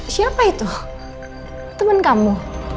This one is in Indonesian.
siapa itu temen kamu